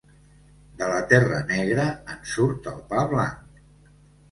De la terra negra, en surt el pa blanc.